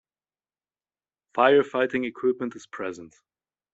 Fire fighting equipment is present.